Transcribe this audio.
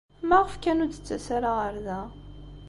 Maɣef kan ur d-tettas ara ɣer da?